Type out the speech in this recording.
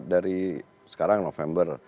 dari sekarang november